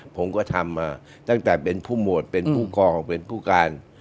ผมก็ทำมาตั้งแต่เป็นผู้หมวดเป็นผู้กองเป็นผู้การ